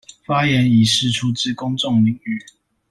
發言以釋出至公眾領域